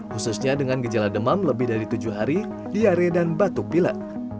khususnya dengan gejala demam lebih dari tujuh hari diare dan batuk pilek